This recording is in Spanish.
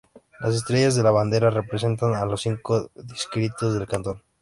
Las estrellas de la bandera representan a los cinco distritos del cantón.